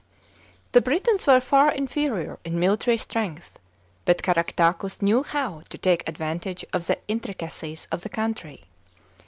The Britons were far inferior in military strength, but Caractacus knew how to take advantage of the intricacies of the country.